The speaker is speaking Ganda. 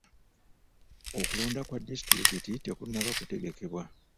Okulonda kwa disitulikiti tekunnaba kutegekebwa.